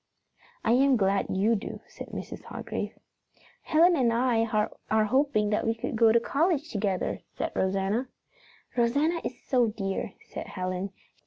"I am glad you do," said Mrs. Hargrave. "Helen and I are hoping that we can go to college together," said Rosanna. "Rosanna is so dear," said Helen.